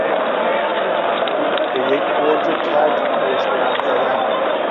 به یک برج کج پشتبند زدن